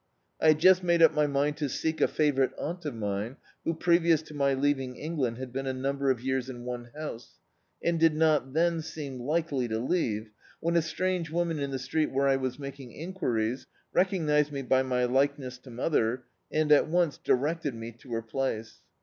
I had just made up my mind to seek a favourite aunt of mine, who, previous to my leaving England, had been a number of years in one house, and did not then seem likely to leave, when a strange woman in the street where I was making enquiries, recognised me by my like ness to mother, and at once directed me to her place.